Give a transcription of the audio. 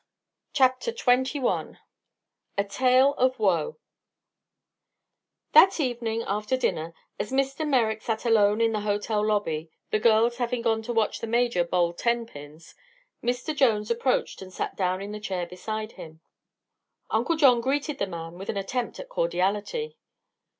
CHAPTER XXI A TALE OF WOE That evening after dinner, as Mr. Merrick sat alone in the hotel lobby, the girls having gone to watch the Major bowl tenpins, Mr. Jones approached and sat down in the chair beside him. Uncle John greeted the man with an attempt at cordiality.